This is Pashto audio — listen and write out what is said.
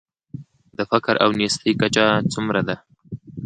د فقر او نیستۍ کچه څومره ده؟